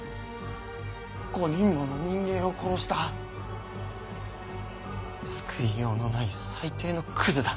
５人もの人間を殺した救いようのない最低のクズだ。